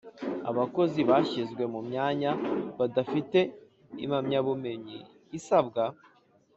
Abakozi bashyizwe mu myanya badafite impamyabumenyi isabwa